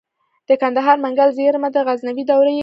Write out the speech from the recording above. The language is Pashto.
د کندهار منگل زیرمه د غزنوي دورې ده